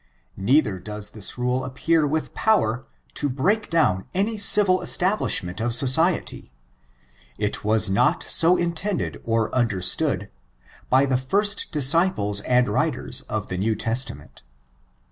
Neither does this rule appear with power to break down any civil establishment of society; it was not so intended or understood, by the first disci ples and writers of the New Testament.